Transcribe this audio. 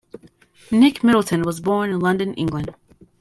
Nick Middleton was born in London, England.